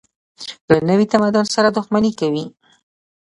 له نوي تمدن سره دښمني کوي.